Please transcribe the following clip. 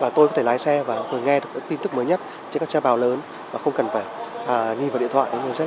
và tôi có thể lái xe và nghe được tin tức mới nhất trên các xe bào lớn và không cần phải nhìn vào điện thoại rất là an toàn và tiện lợi